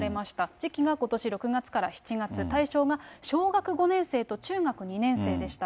時期がことし６月から７月、対象が小学５年生と中学２年生でした。